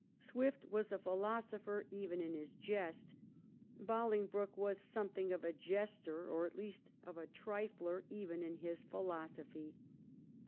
Swift was a philosopher even in his jest ; Bolingbroke was some thing of a jester, or at least of a trifler, even in his philosophy.